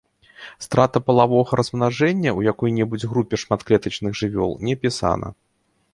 Страта палавога размнажэння ў якой-небудзь групе шматклетачных жывёл не апісана.